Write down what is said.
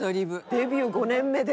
デビュー５年目で。